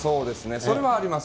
それはあります。